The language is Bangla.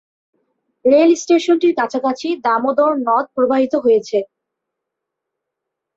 রেল স্টেশনটির কাছাকাছি দামোদর নদ প্রবাহিত হয়েছে।